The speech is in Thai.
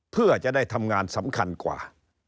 เพื่อจะได้ทำงานสำคัญกว่า